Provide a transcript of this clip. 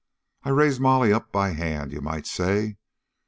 I raised Molly up by hand, you might say.